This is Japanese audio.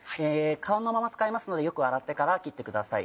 皮のまま使いますのでよく洗ってから切ってください。